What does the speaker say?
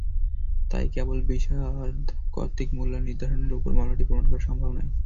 তাই কেবল বিশারদ কর্তৃক মূল্য নির্ধারণের ওপর মামলাটি প্রমাণ করা সম্ভব নয়।